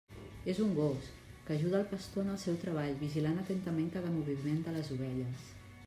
És un gos, que ajuda el pastor en el seu treball vigilant atentament cada moviment de les ovelles.